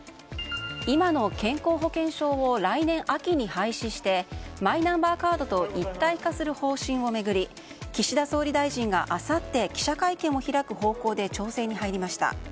今の健康保険証を来年秋に廃止してマイナンバーカードと一体化する方針を巡り岸田総理大臣があさって記者会見を開く方向で調整に入りました。